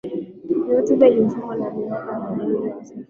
Ni hotuba iliyosomwa kwa niaba yake na Balozi Seif Ali Iddi